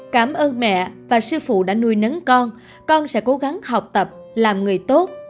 cảm ơn mẹ và sư phụ đã nuôi nấn con con sẽ cố gắng học tập làm người tốt